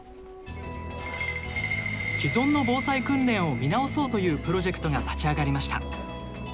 既存の防災訓練を見直そうというプロジェクトが立ち上がりました。